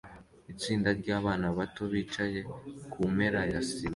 Itsinda ryabana bato bicaye kumpera ya sima